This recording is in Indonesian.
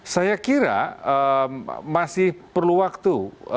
saya kira masih perlu waktu